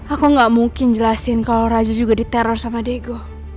aku gak mungkin jelasin kalau raju juga diteror sama diego